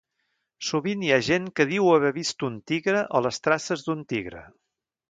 Sovint hi ha gent que diu haver vist un tigre o les traces d'un tigre.